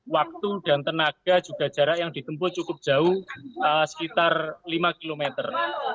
waktu dan tenaga juga jarak yang ditempuh cukup jauh sekitar lima kilometer